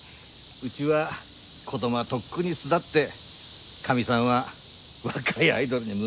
うちは子供はとっくに巣立ってかみさんは若いアイドルに夢中だよ。